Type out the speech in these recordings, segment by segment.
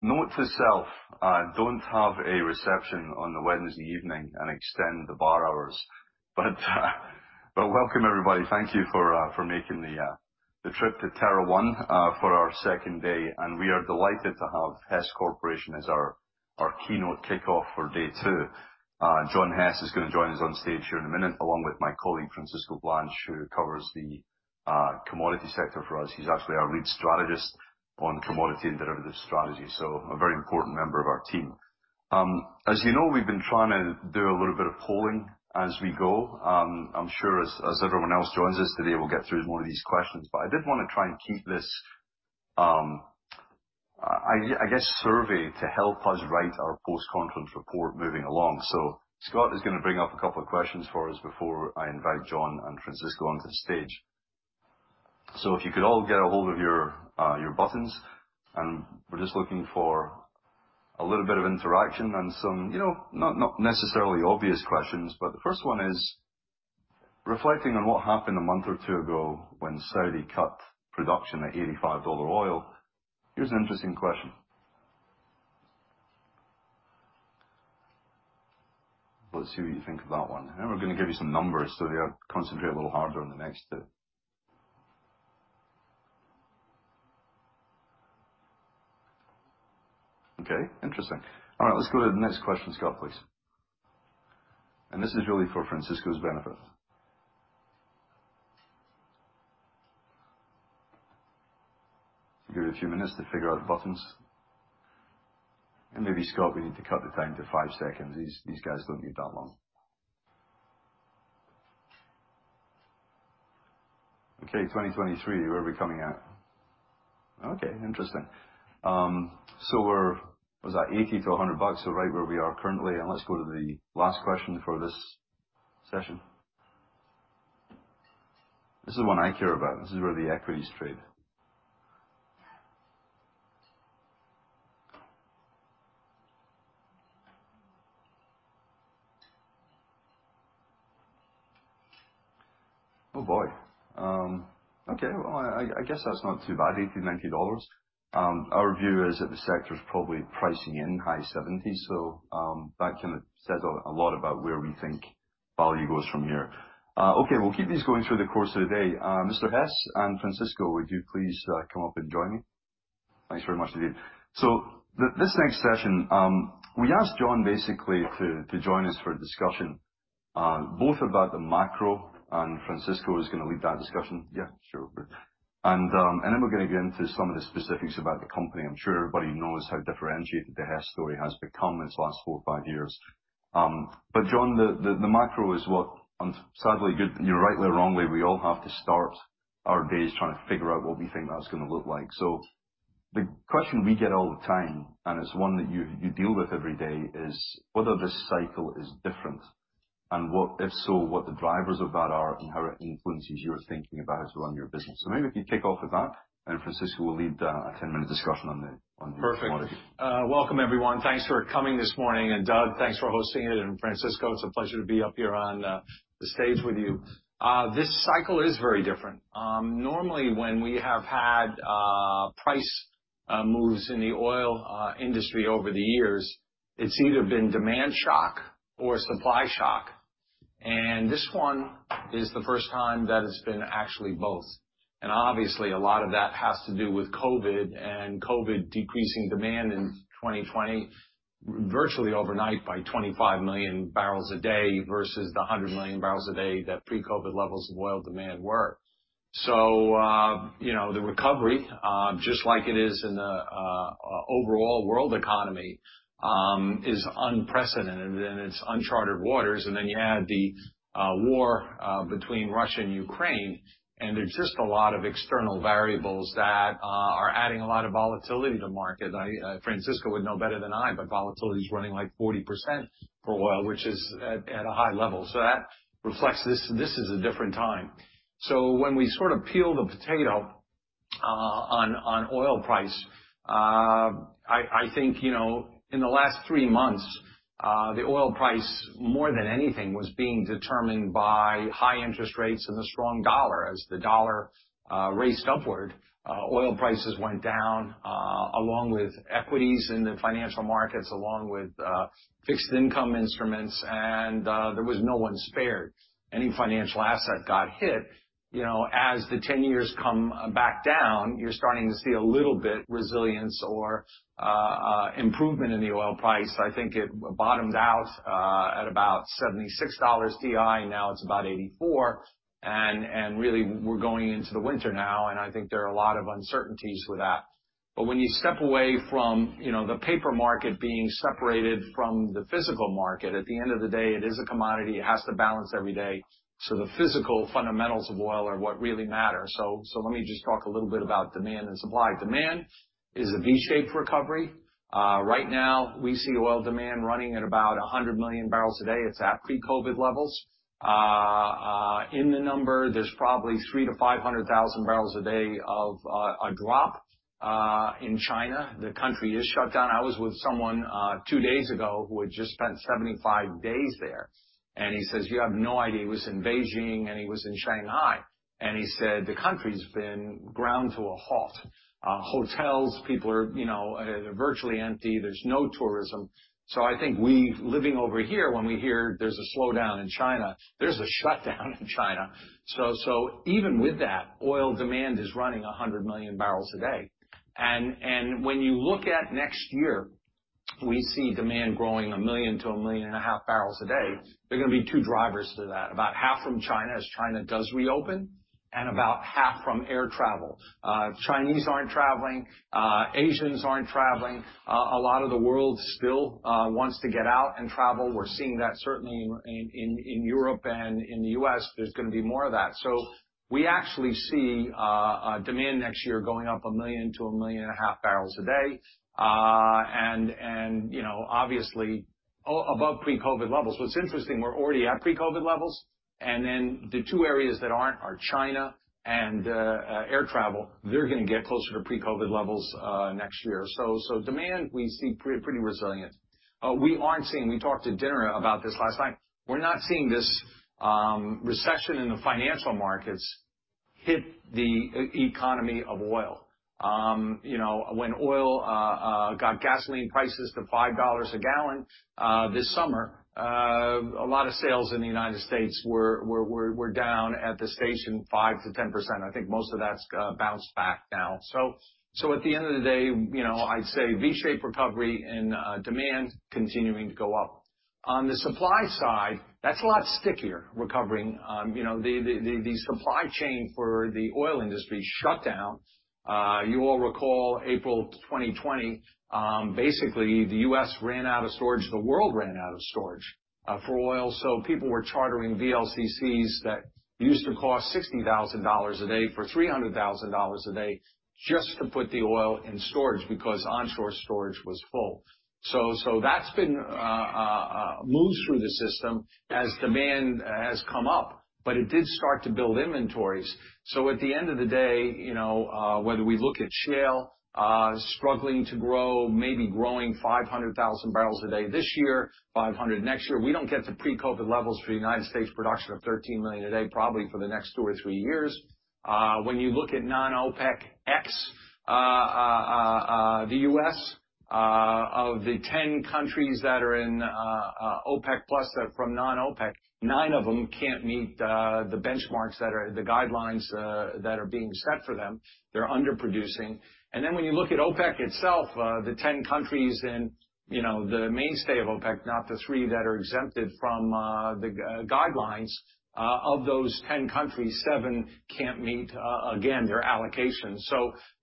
Note to self, don't have a reception on a Wednesday evening and extend the bar hours. Welcome, everybody. Thank you for making the trip to Terranea for our second day. We are delighted to have Hess Corporation as our keynote kickoff for day two. John Hess is gonna join us on stage here in a minute, along with my colleague, Francisco Blanch, who covers the commodity sector for us. He's actually our lead strategist on commodity and derivative strategy, so a very important member of our team. As you know, we've been trying to do a little bit of polling as we go. I'm sure as everyone else joins us today, we'll get through more of these questions. I did wanna try and keep this survey to help us write our post-conference report moving along. Scott is gonna bring up a couple of questions for us before I invite John and Francisco onto the stage. If you could all get a hold of your buttons, and we're just looking for a little bit of interaction and some, you know, not necessarily obvious questions, but the first one is, reflecting on what happened a month or two ago when Saudi cut production at $85 oil. Here's an interesting question. Let's see what you think of that one. We're gonna give you some numbers, so concentrate a little harder on the next two. Okay, interesting. All right, let's go to the next question, Scott, please. This is really for Francisco's benefit. Give it a few minutes to figure out the buttons. Maybe, Scott, we need to cut the time to five seconds. These guys don't need that long. Okay, 2023, where are we coming out? Okay, interesting. Was at $80-$100, so right where we are currently. Let's go to the last question for this session. This is the one I care about. This is where the equities trade. Oh, boy. Okay. Well, I guess that's not too bad, $80-$90. Our view is that the sector is probably pricing in high $70s. That kind of says a lot about where we think value goes from here. Okay, we'll keep these going through the course of the day. Mr. Hess and Francisco, would you please come up and join me? Thanks very much indeed. This next session, we asked John basically to join us for a discussion on both about the macro, and Francisco is gonna lead that discussion. Yeah, sure. We're gonna get into some of the specifics about the company. I'm sure everybody knows how differentiated the Hess story has become this last four or five years. John, the macro is what, and sadly, rightly or wrongly, we all have to start our days trying to figure out what we think that's gonna look like. The question we get all the time, and it's one that you deal with every day, is whether this cycle is different and if so, what the drivers of that are and how it influences your thinking about it around your business. Maybe if you kick off with that, and Francisco will lead a 10 minute discussion. Perfect. Welcome, everyone. Thanks for coming this morning. Doug, thanks for hosting it. Francisco, it's a pleasure to be up here on the stage with you. This cycle is very different. Normally when we have had price moves in the oil industry over the years, it's either been demand shock or supply shock. This one is the first time that it's been actually both. Obviously, a lot of that has to do with COVID and COVID decreasing demand in 2020, virtually overnight by 25 million barrels a day versus the 100 million barrels a day that pre-COVID levels of oil demand were. You know, the recovery, just like it is in the overall world economy, is unprecedented and it's uncharted waters. You add the war between Russia and Ukraine, and there's just a lot of external variables that are adding a lot of volatility to market. Francisco would know better than I, but volatility is running like 40% for oil, which is at a high level. That reflects this is a different time. When we sort of peel the potato on oil price, I think, you know, in the last three months, the oil price, more than anything, was being determined by high interest rates and the strong dollar. As the dollar rose upward, oil prices went down, along with equities in the financial markets, along with fixed income instruments, and there was no one spared. Any financial asset got hit. You know, as the 10 years come back down, you're starting to see a little bit resilience or improvement in the oil price. I think it bottomed out at about $76 WTI. Now it's about $84. Really we're going into the winter now, and I think there are a lot of uncertainties with that. When you step away from, you know, the paper market being separated from the physical market, at the end of the day, it is a commodity. It has to balance every day. The physical fundamentals of oil are what really matter. Let me just talk a little bit about demand and supply. Demand is a V-shaped recovery. Right now, we see oil demand running at about 100 million barrels a day. It's at pre-COVID levels. In the number, there's probably 300,000-500,000 barrels a day of a drop in China. The country is shut down. I was with someone two days ago who had just spent 75 days there, and he says, "You have no idea." He was in Beijing and he was in Shanghai. He said the country's been ground to a halt. Hotels, people are, you know, virtually empty. There's no tourism. I think we, living over here, when we hear there's a slowdown in China, there's a shutdown in China. Even with that, oil demand is running 100 million barrels a day. When you look at next year, we see demand growing 1 million-1.5 million barrels a day. There are gonna be two drivers to that. About half from China, as China does reopen, and about half from air travel. Chinese aren't traveling, Asians aren't traveling. A lot of the world still wants to get out and travel. We're seeing that certainly in Europe and in the U.S. There's gonna be more of that. We actually see demand next year going up 1 million-1.5 million Barrels a day. You know, obviously, above pre-COVID levels. What's interesting, we're already at pre-COVID levels, and then the two areas that aren't are China and air travel. They're gonna get closer to pre-COVID levels next year. Demand, we see pretty resilient. We talked at dinner about this last night. We're not seeing this recession in the financial markets hit the economy of oil. You know, when oil got gasoline prices to $5 a gallon this summer, a lot of sales in the United States were down at the station 5%-10%. I think most of that's bounced back now. At the end of the day, you know, I'd say V-shape recovery and demand continuing to go up. On the supply side, that's a lot stickier recovering. You know, the supply chain for the oil industry shut down. You all recall April 2020. Basically, the U.S. ran out of storage, the world ran out of storage for oil, so people were chartering VLCCs that used to cost $60,000 a day for $300,000 a day just to put the oil in storage because onshore storage was full. That's been moved through the system as demand has come up, but it did start to build inventories. At the end of the day, you know, whether we look at shale struggling to grow, maybe growing 500,000 barrels a day this year, 500 next year, we don't get to pre-COVID levels for United States production of 13 million a day, probably for the next two or three years. When you look at non-OPEC ex the U.S., of the 10 countries that are in OPEC+ from non-OPEC, nine of them can't meet the benchmarks that are the guidelines that are being set for them. They're underproducing. When you look at OPEC itself, the 10 countries in, you know, the mainstay of OPEC, not the three that are exempted from the guidelines, of those 10 countries, seven can't meet, again, their allocations.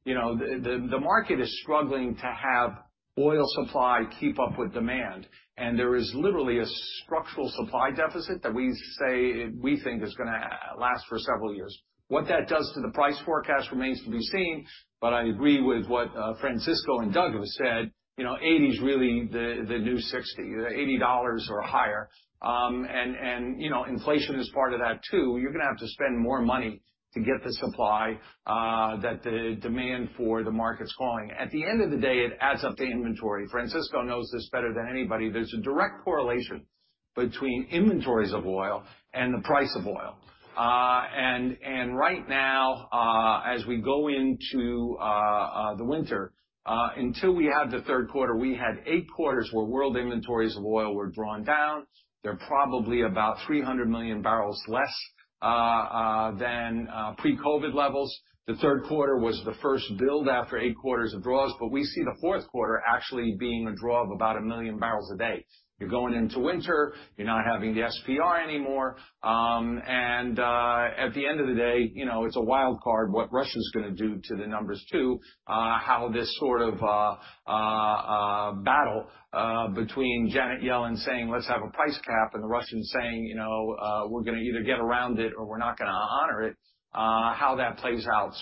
You know, the market is struggling to have oil supply keep up with demand. There is literally a structural supply deficit that we say we think is gonna last for several years. What that does to the price forecast remains to be seen, but I agree with what Francisco and Doug have said, you know, $80 is really the new $60. $80 or higher. You know, inflation is part of that too. You're gonna have to spend more money to get the supply that the demand for the market's calling. At the end of the day, it adds up to inventory. Francisco knows this better than anybody. There's a direct correlation between inventories of oil and the price of oil. Right now, as we go into the winter, until we had the third quarter, we had eight quarters where world inventories of oil were drawn down. They're probably about 300 million barrels less than pre-COVID levels. The third quarter was the first build after eight quarters of draws, but we see the fourth quarter actually being a draw of about 1 million barrels a day. You're going into winter, you're not having the SPR anymore. At the end of the day, you know, it's a wild card what Russia's gonna do to the numbers too. How this sort of battle between Janet Yellen saying, "Let's have a price cap," and the Russians saying, you know, "We're gonna either get around it or we're not gonna honor it," how that plays out.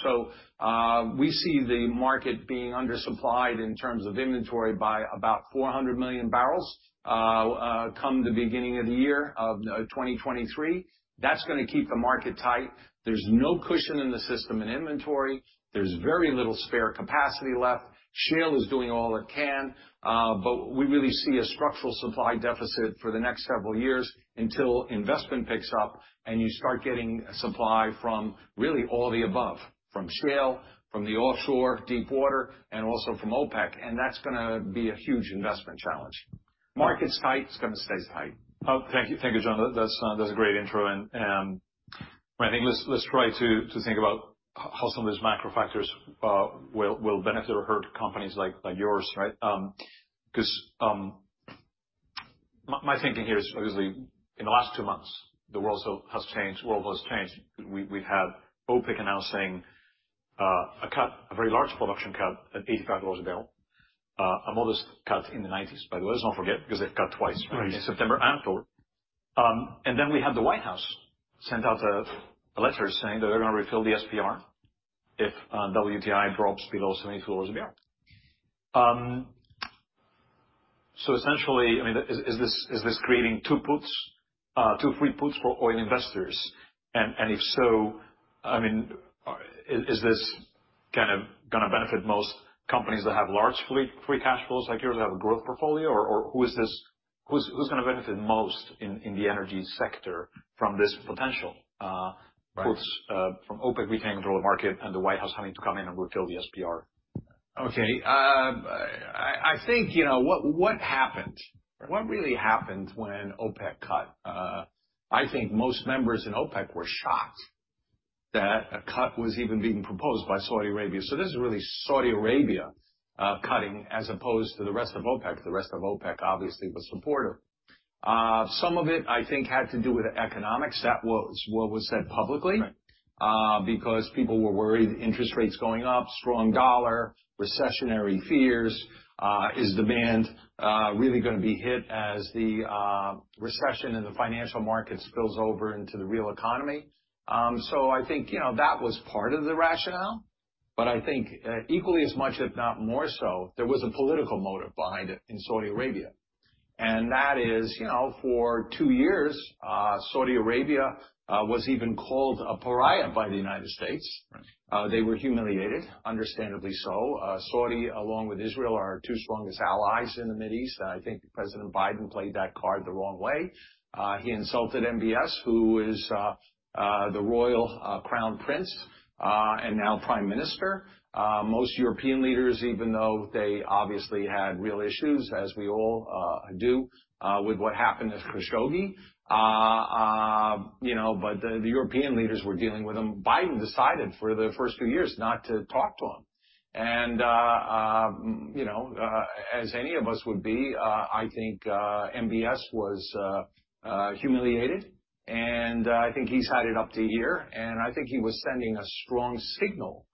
We see the market being undersupplied in terms of inventory by about 400 million barrels come the beginning of the year of 2023. That's gonna keep the market tight. There's no cushion in the system in inventory. There's very little spare capacity left. Shale is doing all it can, but we really see a structural supply deficit for the next several years until investment picks up and you start getting supply from really all the above, from shale, from the offshore, deep water, and also from OPEC. That's gonna be a huge investment challenge. Market's tight. It's gonna stay tight. Oh, thank you. Thank you, John. That's a great intro. I think let's try to think about how some of those macro factors will benefit or hurt companies like yours, right? 'Cause my thinking here is obviously in the last two months, the world has changed. We've had OPEC announcing a cut, a very large production cut at $85 a barrel. A modest cut in the $90s, by the way. Let's not forget, because they've cut twice. Right. In September and October. We have the White House sent out a letter saying that they're gonna refill the SPR if WTI drops below $74 a barrel. Essentially, I mean, is this creating two free puts for oil investors? Kind of gonna benefit most companies that have large free cash flows like yours have a growth portfolio? Who's gonna benefit most in the energy sector from this potential? Right. Puts from OPEC retaining control of the market and the White House having to come in and refill the SPR? Okay. I think, you know, what really happened when OPEC cut, I think most members in OPEC were shocked that a cut was even being proposed by Saudi Arabia. This is really Saudi Arabia cutting as opposed to the rest of OPEC. The rest of OPEC obviously was supportive. Some of it, I think, had to do with economics. That was what was said publicly. Right. Because people were worried interest rates going up, strong dollar, recessionary fears, is demand really gonna be hit as the recession in the financial market spills over into the real economy? I think, you know, that was part of the rationale. I think equally as much, if not more so, there was a political motive behind it in Saudi Arabia. That is, you know, for two years, Saudi Arabia was even called a pariah by the United States. Right. They were humiliated, understandably so. Saudi, along with Israel, are our two strongest allies in the Mid East. I think President Biden played that card the wrong way. He insulted MBS, who is the royal Crown Prince and now Prime Minister. Most European leaders, even though they obviously had real issues, as we all do, with what happened with Khashoggi, you know, the European leaders were dealing with him. Biden decided for the first few years not to talk to him. You know, as any of us would be, I think MBS was humiliated, and I think he's had it up to here. I think he was sending a strong signal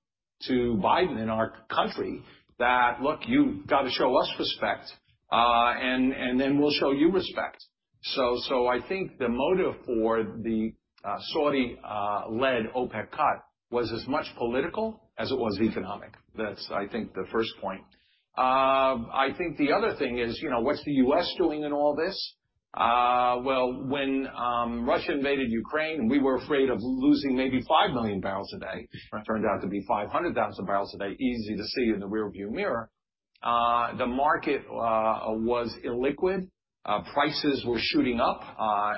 to Biden and our country that, "Look, you've got to show us respect and then we'll show you respect." I think the motive for the Saudi-led OPEC cut was as much political as it was economic. That's, I think, the first point. I think the other thing is, you know, what's the U.S. doing in all this? Well, when Russia invaded Ukraine, we were afraid of losing maybe 5 million barrels a day. Right. Turned out to be five hundred thousand barrels a day. Easy to see in the rearview mirror. The market, was illiquid. Prices were shooting up.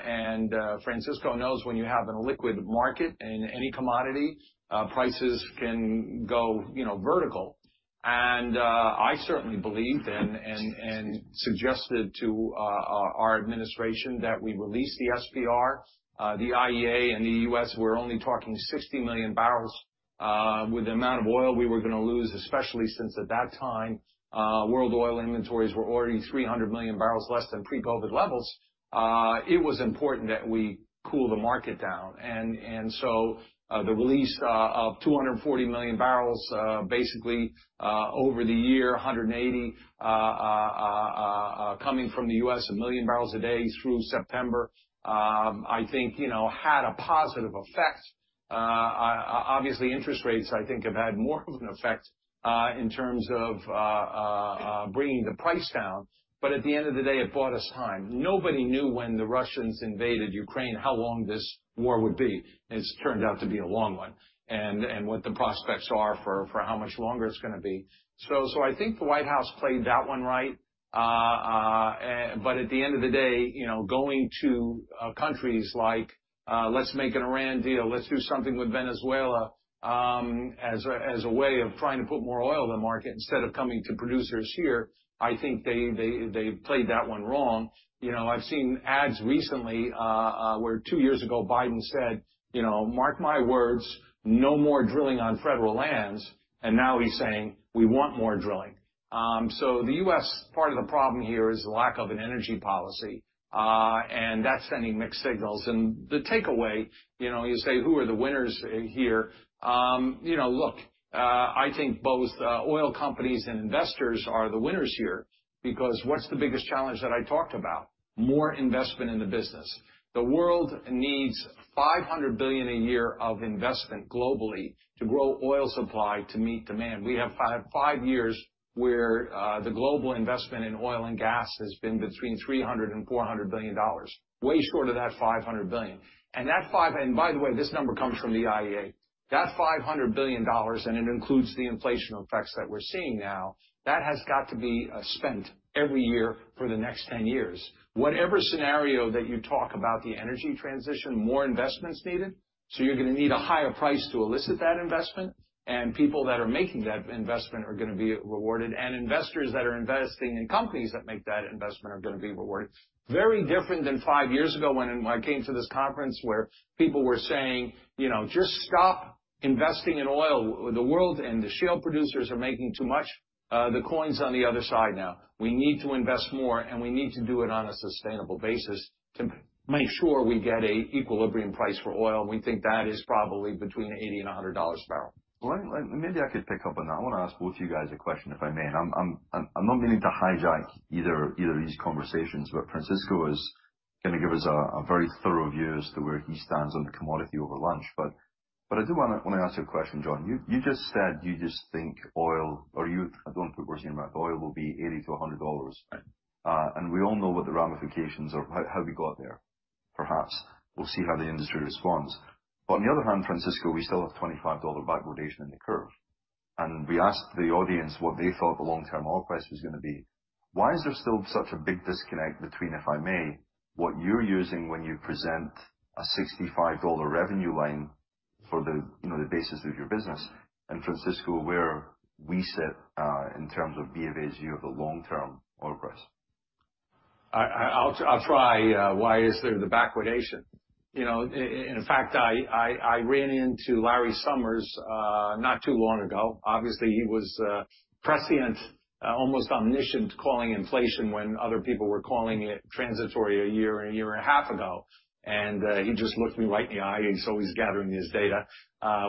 And, Francisco knows when you have an illiquid market in any commodity, prices can go, you know, vertical. And, I certainly believed and, and suggested to, our administration that we release the SPR. The IEA and the U.S. were only talking sixty million barrels, with the amount of oil we were gonna lose, especially since at that time, world oil inventories were already three hundred million barrels less than pre-COVID levels. It was important that we cool the market down. The release of 240 million barrels basically over the year, 180 coming from the U.S., 1 million barrels a day through September, I think, you know, had a positive effect. Obviously interest rates, I think, have had more of an effect in terms of bringing the price down. At the end of the day, it bought us time. Nobody knew when the Russians invaded Ukraine how long this war would be. It's turned out to be a long one. What the prospects are for how much longer it's gonna be. I think the White House played that one right. At the end of the day, you know, going to countries like, "Let's make an Iran deal. Let's do something with Venezuela," as a way of trying to put more oil in the market instead of coming to producers here, I think they played that one wrong. You know, I've seen ads recently where two years ago Biden said, you know, "Mark my words, no more drilling on federal lands." Now he's saying, "We want more drilling." The U.S. part of the problem here is the lack of an energy policy, and that's sending mixed signals. The takeaway, you know, you say, "Who are the winners here?" You know, look, I think both oil companies and investors are the winners here because what's the biggest challenge that I talked about? More investment in the business. The world needs $500 billion a year of investment globally to grow oil supply to meet demand. We have five years where the global investment in oil and gas has been between $300 billion and $400 billion, way short of that $500 billion. By the way, this number comes from the IEA. That $500 billion, and it includes the inflation effects that we're seeing now, that has got to be spent every year for the next 10 years. Whatever scenario that you talk about the energy transition, more investment's needed, so you're gonna need a higher price to elicit that investment. People that are making that investment are gonna be rewarded, and investors that are investing in companies that make that investment are gonna be rewarded. Very different than five years ago when I came to this conference where people were saying, you know, "Just stop investing in oil. The world and the shale producers are making too much." The coin's on the other side now. We need to invest more, and we need to do it on a sustainable basis to make sure we get a equilibrium price for oil. We think that is probably between $80 and $100 a barrel. Well, maybe I could pick up on that. I wanna ask both of you guys a question, if I may. I'm not meaning to hijack either of these conversations, but Francisco is gonna give us a very thorough view as to where he stands on the commodity over lunch. I do wanna ask you a question, John. You just said you just think oil, or you don't put words in your mouth. Oil will be $80-$100. Right. We all know what the ramifications of how we got there. Perhaps we'll see how the industry responds. On the other hand, Francisco, we still have $25 backwardation in the curve. We asked the audience what they thought the long-term oil price was gonna be. Why is there still such a big disconnect between, if I may, what you're using when you present a $65 revenue line for, you know, the basis of your business, and Francisco, where we sit in terms of BofA's view of the long-term oil price? I'll try. Why is there the backwardation? You know, in fact, I ran into Larry Summers not too long ago. Obviously, he was prescient, almost omniscient, calling inflation when other people were calling it transitory a year and a half ago. He just looked me right in the eye. He's always gathering his data,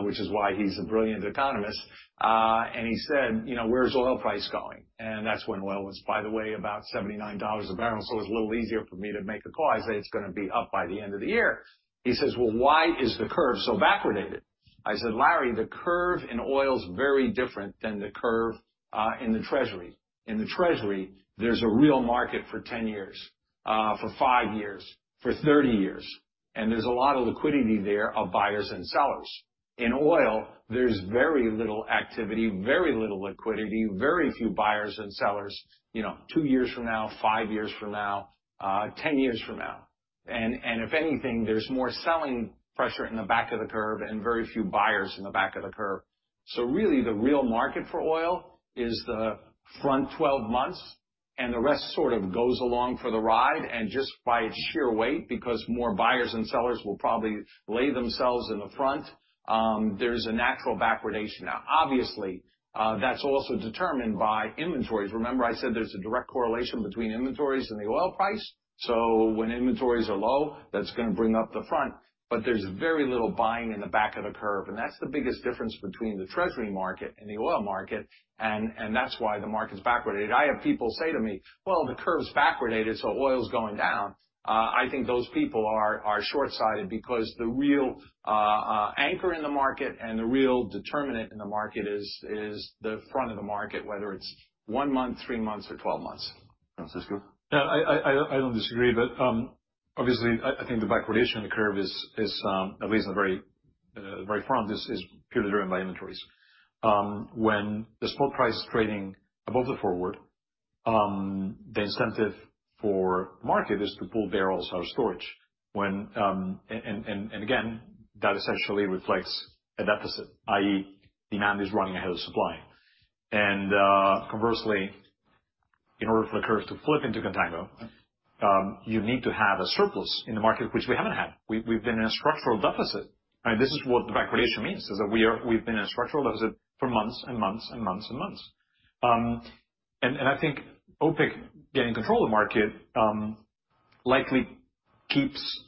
which is why he's a brilliant economist. He said, "You know, where's oil price going?" That's when oil was, by the way, about $79 a barrel. It was a little easier for me to make a call. I say, "It's gonna be up by the end of the year." He says, "Well, why is the curve so backwardated?" I said, "Larry, the curve in oil is very different than the curve in the Treasury. In the Treasury, there's a real market for 10 years, for five years, for 30 years, and there's a lot of liquidity there of buyers and sellers. In oil, there's very little activity, very little liquidity, very few buyers and sellers, you know, two years from now, five years from now, 10 years from now. If anything, there's more selling pressure in the back of the curve and very few buyers in the back of the curve. Really the real market for oil is the front 12 months, and the rest sort of goes along for the ride. Just by its sheer weight, because more buyers and sellers will probably lay themselves in the front, there's a natural backwardation. Now, obviously, that's also determined by inventories. Remember I said there's a direct correlation between inventories and the oil price? When inventories are low, that's gonna bring up the front. There's very little buying in the back of the curve, and that's the biggest difference between the Treasury market and the oil market, and that's why the market's backwardated. I have people say to me, "Well, the curve's backwardated, so oil's going down." I think those people are shortsighted because the real anchor in the market and the real determinant in the market is the front of the market, whether it's one month, three months or 12 months. Francisco? Yeah, I don't disagree. Obviously, I think the backwardation in the curve, at least in the very front, is purely driven by inventories. When the spot price is trading above the forward, the incentive for market is to pull barrels out of storage. Again, that essentially reflects a deficit, i.e., demand is running ahead of supply. Conversely, in order for the curve to flip into contango, you need to have a surplus in the market, which we haven't had. We've been in a structural deficit, right? This is what the backwardation means, is that we've been in a structural deficit for months and months and months and months. I think OPEC getting control of the market likely keeps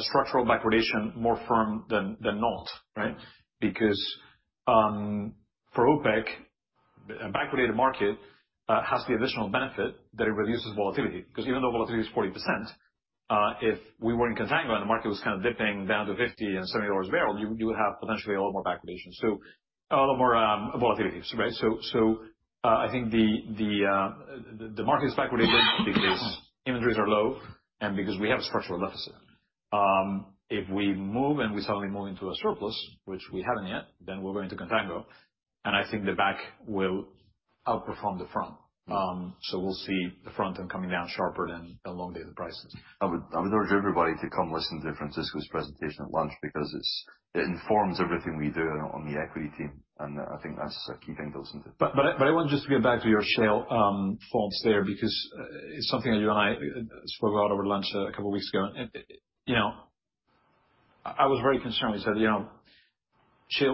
structural backwardation more firm than not, right? For OPEC, a backwardated market has the additional benefit that it reduces volatility. Even though volatility is 40%, if we were in contango and the market was kind of dipping down to $50 and $70 a barrel, you would have potentially a lot more backwardation. A lot more volatility, right? I think the market's backwardated because inventories are low and because we have a structural deficit. If we move and we suddenly move into a surplus, which we haven't yet, then we'll go into contango, and I think the back will outperform the front. We'll see the front end coming down sharper than the long-dated prices. I would urge everybody to come listen to Francisco's presentation at lunch because it informs everything we do on the equity team, and I think that's a key thing to listen to. I want just to get back to your shale thoughts there, because it's something that you and I spoke about over lunch a couple of weeks ago. You know, I was very concerned. We said, you know,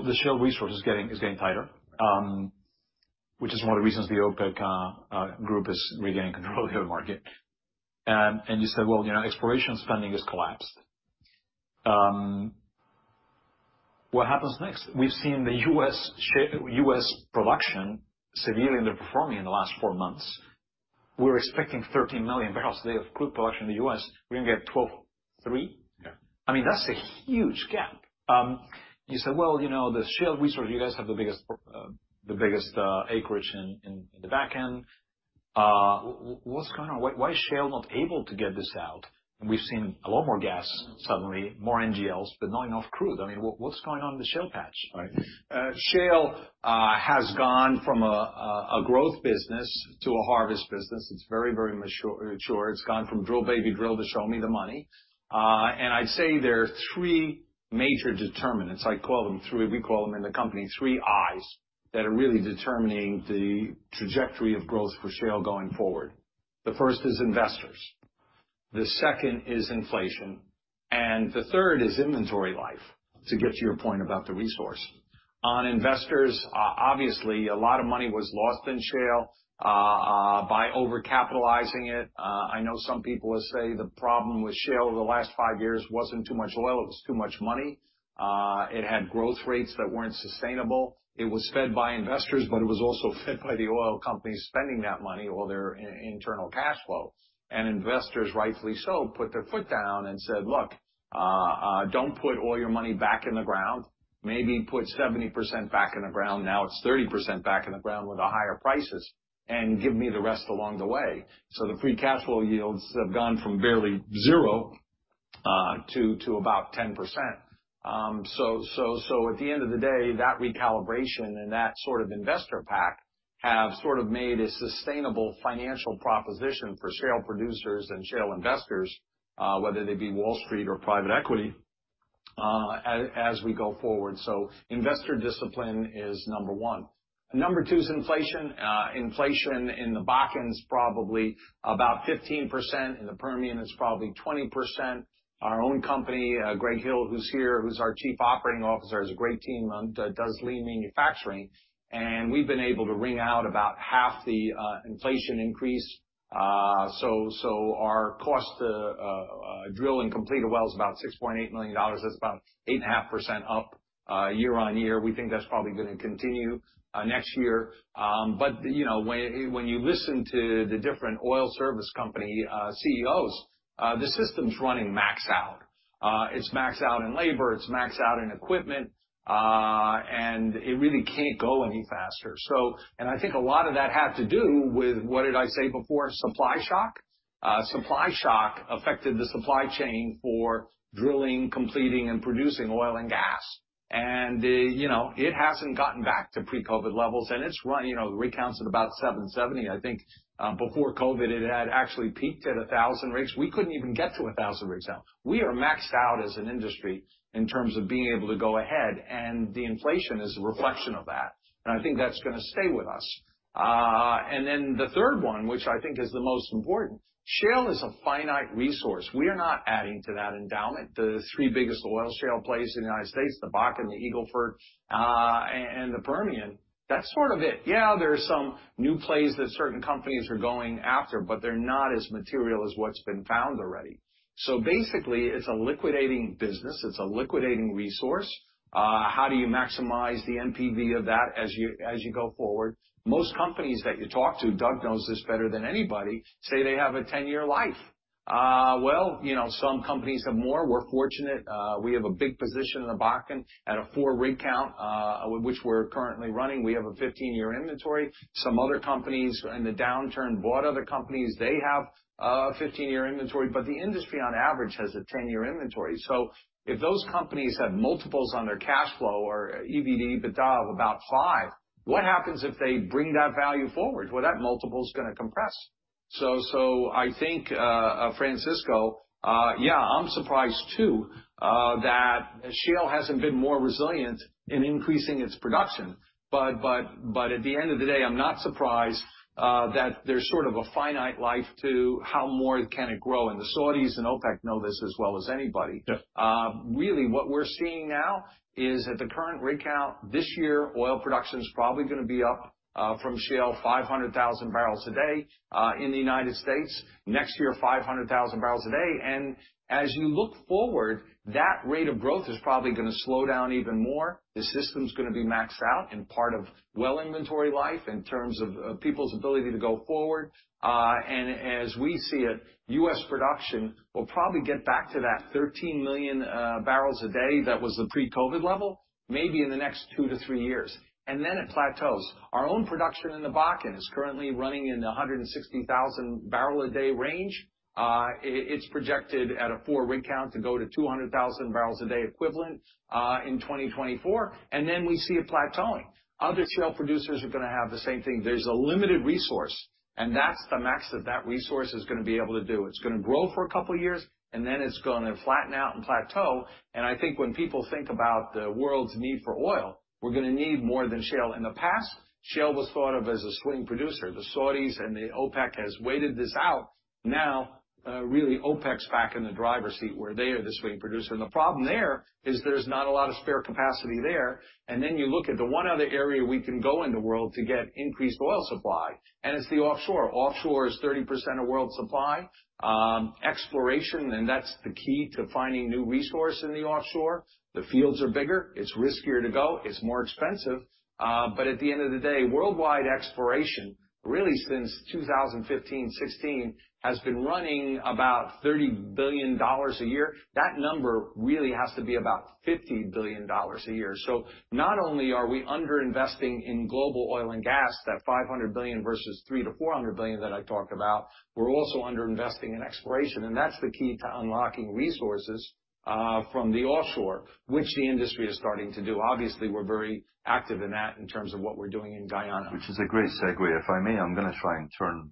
the shale resource is getting tighter, which is one of the reasons the OPEC group is regaining control of the market. You said, well, you know, exploration spending has collapsed. What happens next? We've seen the U.S. production severely underperforming in the last four months. We're expecting 13 million barrels a day of crude production in the U.S. We're gonna get 12.3. Yeah. I mean, that's a huge gap. You said, "Well, you know, the shale resource, you guys have the biggest acreage in the Bakken." What's going on? Why is shale not able to get this out? We've seen a lot more gas suddenly, more NGLs, but not enough crude. I mean, what's going on in the shale patch? Right. Shale, has gone from a, a growth business to a harvest business. It's very, very mature. It's gone from drill, baby, drill, to show me the money. And I'd say there are three major determinants, I call them three, we call them in the company, three I's, that are really determining the trajectory of growth for shale going forward. The first is investors, the second is inflation, and the third is inventory life, to get to your point about the resource. On investors, o-obviously, a lot of money was lost in shale, by overcapitalizing it. I know some people will say the problem with shale over the last five years wasn't too much oil, it was too much money. It had growth rates that weren't sustainable. It was fed by investors, but it was also fed by the oil companies spending that money or their internal cash flows. Investors, rightfully so, put their foot down and said, "Look, don't put all your money back in the ground. Maybe put 70% back in the ground." Now it's 30% back in the ground with the higher prices, and give me the rest along the way. The free cash flow yields have gone from barely zero to about 10%. At the end of the day, that recalibration and that sort of investor pact have sort of made a sustainable financial proposition for shale producers and shale investors, whether they be Wall Street or private equity, as we go forward. Investor discipline is number one. Number two is inflation. Inflation in the Bakken is probably about 15%. In the Permian, it's probably 20%. Our own company, Greg Hill, who's here, who's our Chief Operating Officer, has a great team that does lean manufacturing, and we've been able to wring out about half the inflation increase. Our cost to drill and complete a well is about $6.8 million. That's about 8.5% up year-on-year. We think that's probably gonna continue next year. You know, when you listen to the different oil service company CEOs, the system's running max out. It's max out in labor, it's max out in equipment, and it really can't go any faster. I think a lot of that had to do with, what did I say before? Supply shock. Supply shock affected the supply chain for drilling, completing, and producing oil and gas. You know, it hasn't gotten back to pre-COVID levels, and, you know, rig count's at about 770. I think before COVID, it had actually peaked at 1,000 rigs. We couldn't even get to 1,000 rigs now. We are maxed out as an industry in terms of being able to go ahead, and the inflation is a reflection of that, and I think that's gonna stay with us. The third one, which I think is the most important, shale is a finite resource. We are not adding to that endowment. The three biggest oil shale plays in the United States, the Bakken, the Eagle Ford, and the Permian. That's sort of it. Yeah, there are some new plays that certain companies are going after, but they're not as material as what's been found already. Basically, it's a liquidating business. It's a liquidating resource. How do you maximize the NPV of that as you go forward? Most companies that you talk to, Doug knows this better than anybody, say they have a 10-year life. Well, you know, some companies have more. We're fortunate. We have a big position in the Bakken at a four rig count, which we're currently running. We have a 15-year inventory. Some other companies in the downturn bought other companies. They have a 15-year inventory. The industry on average has a 10-year inventory. If those companies have multiples on their cash flow or EBITDA of about 5x, what happens if they bring that value forward? Well, that multiple's gonna compress. I think, Francisco, yeah, I'm surprised too that shale hasn't been more resilient in increasing its production. At the end of the day, I'm not surprised that there's sort of a finite life to how more can it grow, and the Saudis and OPEC know this as well as anybody. Yeah. Really, what we're seeing now is at the current rig count this year, oil production is probably gonna be up from shale 500,000 barrels a day in the United States. Next year, 500,000 barrels a day. As you look forward, that rate of growth is probably gonna slow down even more. The system's gonna be maxed out in part of well inventory life in terms of people's ability to go forward. As we see it, U.S. production will probably get back to that 13 million barrels a day that was the pre-COVID level, maybe in the next two-three years, and then it plateaus. Our own production in the Bakken is currently running in the 160,000 barrel a day range. It's projected at a four rig count to go to 200,000 barrels a day equivalent in 2024, and then we see it plateauing. Other shale producers are gonna have the same thing. There's a limited resource, and that's the max that that resource is gonna be able to do. It's gonna grow for a couple years, and then it's gonna flatten out and plateau. I think when people think about the world's need for oil, we're gonna need more than shale. In the past, shale was thought of as a swing producer. The Saudis and the OPEC has waited this out. Now, really, OPEC's back in the driver's seat where they are the swing producer. The problem there is there's not a lot of spare capacity there. You look at the one other area we can go in the world to get increased oil supply, and it's the offshore. Offshore is 30% of world supply. Exploration, and that's the key to finding new resource in the offshore. The fields are bigger. It's riskier to go. It's more expensive. At the end of the day, worldwide exploration, really since 2015-2016, has been running about $30 billion a year. That number really has to be about $50 billion a year. Not only are we under-investing in global oil and gas, that $500 billion versus $300 billion-$400 billion that I talked about, we're also under-investing in exploration, and that's the key to unlocking resources from the offshore, which the industry is starting to do. Obviously, we're very active in that in terms of what we're doing in Guyana. Which is a great segue. If I may, I'm gonna try and turn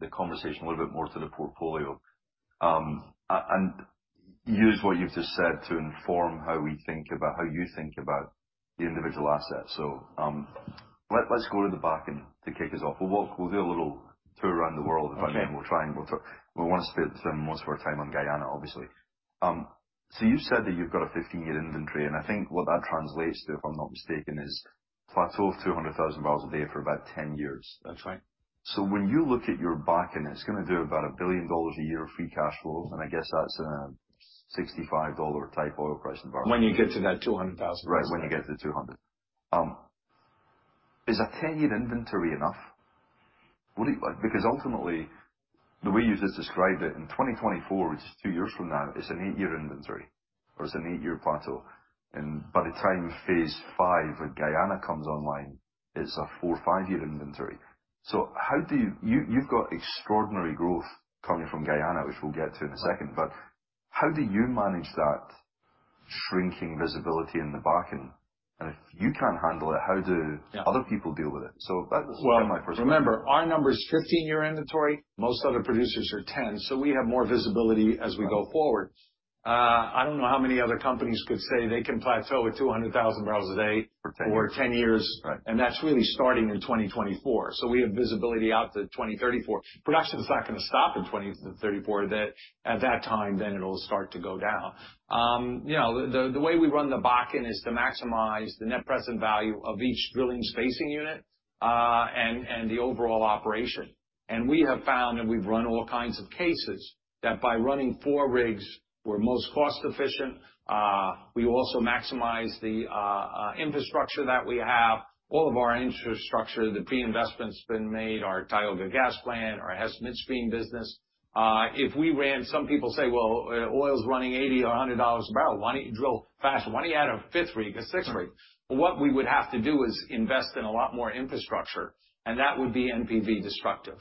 the conversation a little bit more to the portfolio and use what you've just said to inform how you think about the individual assets. Let's go to the Bakken to kick us off. We'll do a little tour around the world. Okay. If I may, we'll try, and we wanna spend most of our time on Guyana, obviously. You said that you've got a 15-year inventory, and I think what that translates to, if I'm not mistaken, is plateau of 200,000 barrels a day for about 10 years. That's right. When you look at your Bakken, it's gonna do about $1 billion a year of free cash flows, and I guess that's a $65 type oil price environment. When you get to that 200,000 barrels. Right, when you get to the 200. Is a ten-year inventory enough? What do you-- Like, because ultimately, the way you just described it, in 2024, which is two years from now, it's an eight-year inventory. Or it's an eight-year plateau. And by the time phase V of Guyana comes online, it's a four or five-year inventory. So how do you-- you've got extraordinary growth coming from Guyana, which we'll get to in a second, but how do you manage that shrinking visibility in the Bakken? And if you can't handle it, how do- Yeah. Other people deal with it? That was kind of my first one. Well, remember, our number is 15-year inventory. Most other producers are 10, so we have more visibility as we go forward. I don't know how many other companies could say they can plateau at 200,000 barrels a day. For 10 years. For 10 years. Right. That's really starting in 2024. We have visibility out to 2034. Production's not gonna stop in 2034. At that time, then it'll start to go down. You know, the way we run the Bakken is to maximize the net present value of each drilling spacing unit and the overall operation. We have found, and we've run all kinds of cases, that by running four rigs, we're most cost efficient. We also maximize the infrastructure that we have. All of our infrastructure, the pre-investment's been made, our Tioga Gas Plant, our Hess Midstream business. Some people say, "Well, oil's running $80 or $100 a barrel. Why don't you drill faster? Why don't you add a fifth rig, a sixth rig? Right. What we would have to do is invest in a lot more infrastructure, and that would be NPV destructive.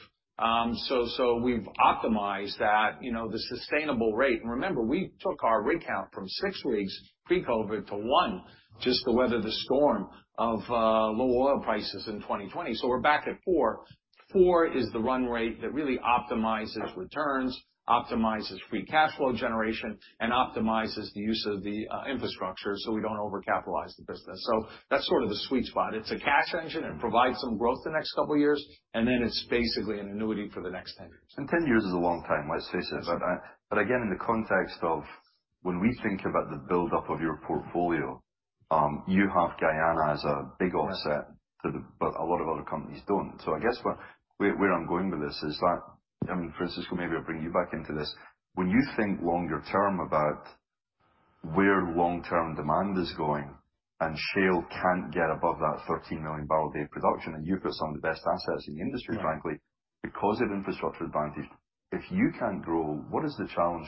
We've optimized that, you know, the sustainable rate. Remember, we took our rig count from six rigs pre-COVID to one, just to weather the storm of low oil prices in 2020. We're back at four. Four is the run rate that really optimizes returns, optimizes free cash flow generation, and optimizes the use of the infrastructure, so we don't overcapitalizing the business. That's sort of the sweet spot. It's a cash engine. It provides some growth the next couple of years, and then it's basically an annuity for the next 10 years. 10 years is a long time, let's face it. Sure. Again, in the context of when we think about the buildup of your portfolio, you have Guyana as a big offset. Yeah. A lot of other companies don't. I guess where I'm going with this is that, I mean, Francisco, maybe I'll bring you back into this. When you think longer term about where long-term demand is going, and shale can't get above that 13 million barrel a day production, and you've got some of the best assets in the industry, frankly. Yeah. Because of infrastructure advantage. If you can't grow, what is the challenge?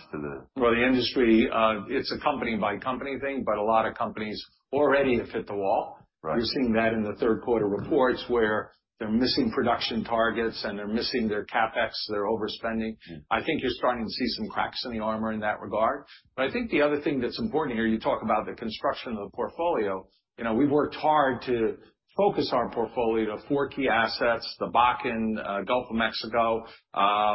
Well, the industry, it's a company-by-company thing, but a lot of companies already have hit the wall. Right. You're seeing that in the third quarter reports where they're missing production targets and they're missing their CapEx. They're overspending. Yeah. I think you're starting to see some cracks in the armor in that regard. I think the other thing that's important here, you talk about the construction of the portfolio. You know, we've worked hard to focus our portfolio to four key assets, the Bakken, Gulf of Mexico,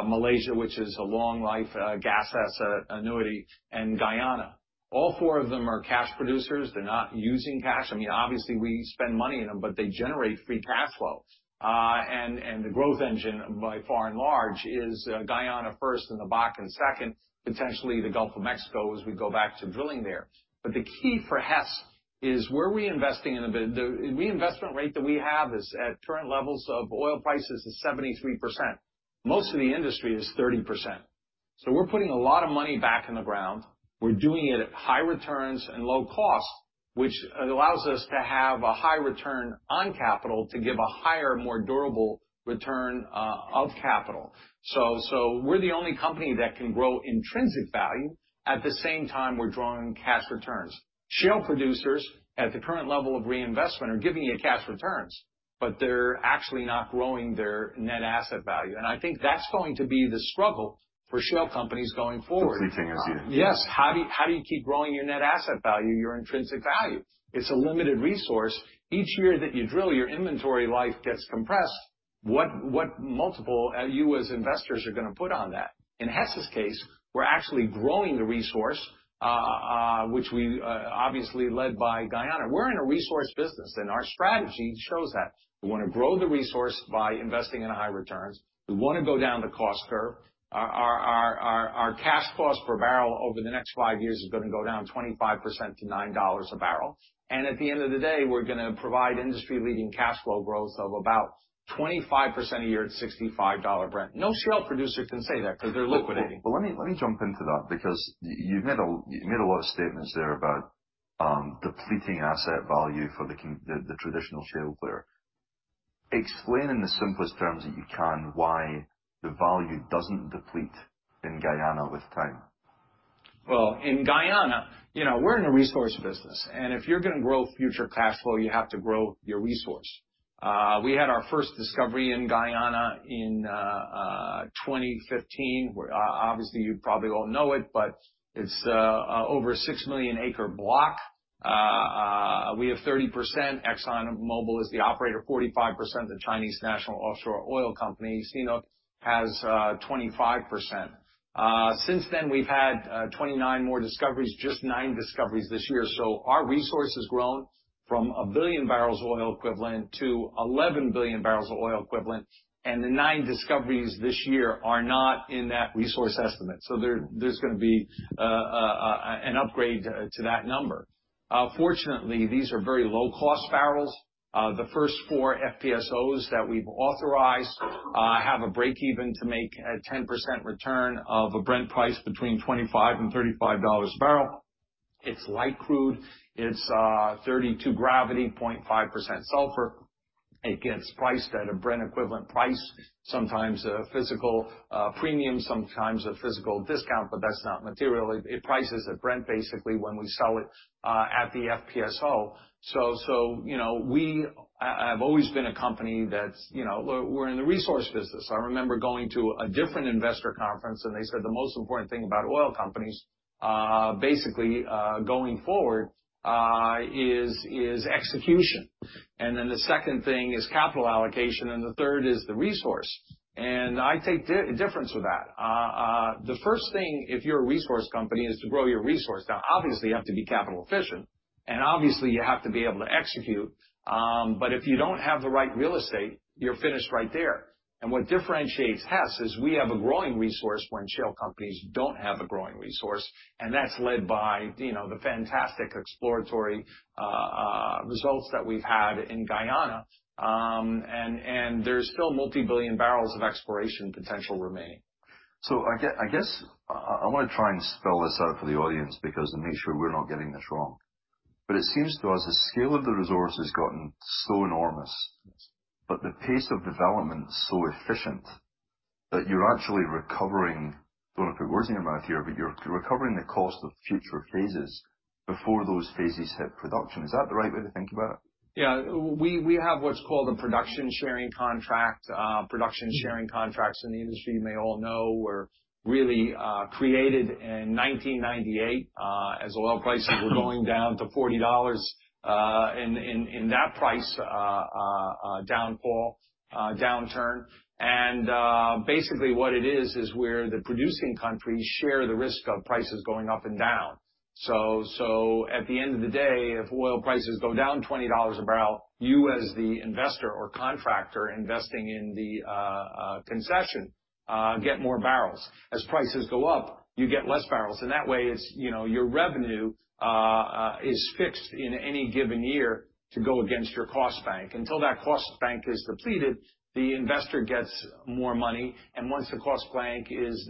Malaysia, which is a long life gas asset annuity, and Guyana. All four of them are cash producers. They're not using cash. I mean, obviously we spend money in them, but they generate free cash flows. The growth engine by far and large is Guyana first and the Bakken second, potentially the Gulf of Mexico as we go back to drilling there. The key for Hess is where we're investing in the reinvestment rate that we have is at current levels of oil prices is 73%. Most of the industry is 30%. We're putting a lot of money back in the ground. We're doing it at high returns and low costs, which allows us to have a high return on capital to give a higher, more durable return of capital. We're the only company that can grow intrinsic value. At the same time, we're growing cash returns. Shale producers at the current level of reinvestment are giving you cash returns, but they're actually not growing their net asset value. I think that's going to be the struggle for shale companies going forward. Depleting as you do. Yes. How do you keep growing your net asset value, your intrinsic value? It's a limited resource. Each year that you drill, your inventory life gets compressed. What multiple you as investors are gonna put on that? In Hess's case, we're actually growing the resource, which we obviously led by Guyana. We're in a resource business, and our strategy shows that. We wanna grow the resource by investing in high returns. We wanna go down the cost curve. Our cash cost per barrel over the next five years is gonna go down 25% to $9 a barrel. At the end of the day, we're gonna provide industry-leading cash flow growth of about 25% a year at $65 Brent. No shale producer can say that because they're liquidating. Let me jump into that because you've made a lot of statements there about depleting asset value for the traditional shale player. Explain in the simplest terms that you can why the value doesn't deplete in Guyana with time. Well, in Guyana, you know, we're in a resource business, and if you're gonna grow future cash flow, you have to grow your resource. We had our first discovery in Guyana in 2015. Obviously, you probably all know it, but it's over a 6 million acre block. We have 30%. ExxonMobil is the operator, 45%. The China National Offshore Oil Corporation, CNOOC, has 25%. Since then, we've had 29 more discoveries, just nine discoveries this year. Our resource has grown from 1 billion barrels of oil equivalent to 11 billion barrels of oil equivalent, and the nine discoveries this year are not in that resource estimate. There's gonna be an upgrade to that number. Fortunately, these are very low cost barrels. The first four FPSOs that we've authorized have a break even to make a 10% return of a Brent price between $25 and $35 a barrel. It's light crude. It's 32 gravity, 0.5% sulfur. It gets priced at a Brent equivalent price, sometimes a physical premium, sometimes a physical discount, but that's not material. It prices at Brent basically when we sell it at the FPSO. You know, I've always been a company that's, you know, we're in the resource business. I remember going to a different investor conference, and they said the most important thing about oil companies basically going forward is execution. The second thing is capital allocation, and the third is the resource. I take difference with that. The first thing, if you're a resource company, is to grow your resource. Now, obviously, you have to be capital efficient, and obviously you have to be able to execute. If you don't have the right real estate, you're finished right there. What differentiates Hess is we have a growing resource when shale companies don't have a growing resource, and that's led by, you know, the fantastic exploratory results that we've had in Guyana. There's still multi-billion barrels of exploration potential remaining. I guess I wanna try and spell this out for the audience to make sure we're not getting this wrong. It seems to us the scale of the resource has gotten so enormous. Yes. The pace of development so efficient that you're actually recovering, don't wanna put words in your mouth here, but you're recovering the cost of future phases before those phases hit production. Is that the right way to think about it? Yeah, we have what's called a production sharing contract. Production sharing contracts in the industry, you may all know, were really created in 1998 as oil prices were going down to $40 in that price downturn. Basically what it is where the producing countries share the risk of prices going up and down. At the end of the day, if oil prices go down $20 a barrel, you as the investor or contractor investing in the concession get more barrels. As prices go up, you get less barrels. In that way it's, you know, your revenue is fixed in any given year to go against your cost bank. Until that cost bank is depleted, the investor gets more money, and once the cost bank is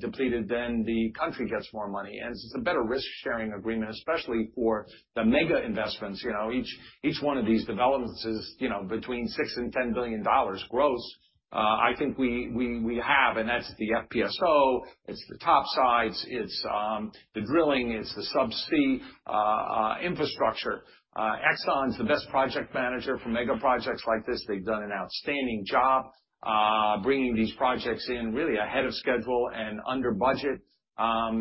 depleted, then the country gets more money. It's a better risk-sharing agreement, especially for the mega investments. You know, each one of these developments is, you know, between $6 billion and $10 billion gross. That's the FPSO, it's the topsides, it's the drilling, it's the subsea infrastructure. Exxon's the best project manager for mega projects like this. They've done an outstanding job bringing these projects in really ahead of schedule and under budget. At